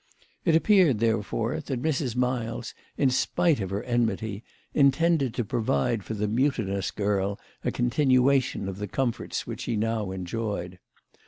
It appeared therefore that Mrs. Miles, in spite of her enmity, intended to provide for the mutinous girl a continuation of the comforts which she now enjoyed.